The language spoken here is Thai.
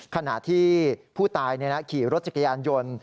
ขณะที่ผู้ตายขี่รถจักรยานยนต์